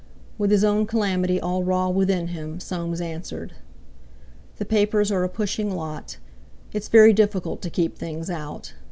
With his own calamity all raw within him, Soames answered: "The papers are a pushing lot; it's very difficult to keep things out.